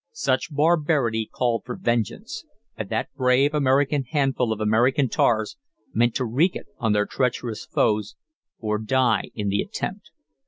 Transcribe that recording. Such barbarity called for vengeance, and that brave American handful of American tars meant to wreak it on their treacherous foes, or die in the attempt.